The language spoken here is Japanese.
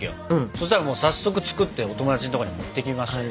そしたら早速作ってお友達のとこに持っていきましたよ。